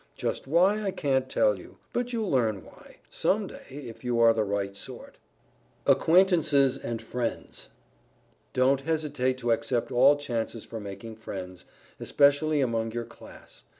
Just why, I can't tell you; but you'll learn why, some day, if you are the right sort. [Sidenote: ACQUAINTANCES AND FRIENDS] Don't hesitate to accept all chances for making friends, especially among your Class.